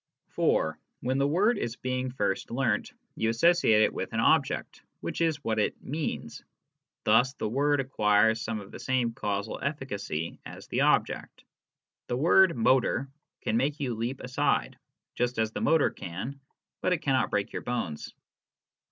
(4) When the word is being first learnt, you associate it HOW PROPOSITIONS MEAN. 21 with an object, which is what it " means "; thus the word acquires some of the same causal efficacy as the object. The word " motor !" can make you leap aside, just as the motor can, but it cannot break your bones.